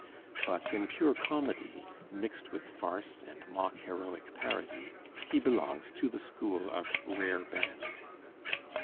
But in pure comedy, mixed with farce and mock heroic parody, he belongs to the school of "rare Ben."